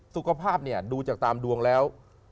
สุขภาพดูจากตามดวงแล้ว